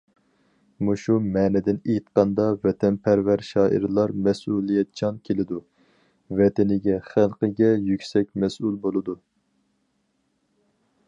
مۇشۇ مەنىدىن ئېيتقاندا، ۋەتەنپەرۋەر شائىرلار مەسئۇلىيەتچان كېلىدۇ، ۋەتىنىگە، خەلقىگە يۈكسەك مەسئۇل بولىدۇ.